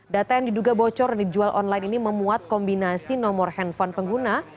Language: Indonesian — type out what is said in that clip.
data yang diduga bocor dijual online ini memuat kombinasi nomor handphone pengguna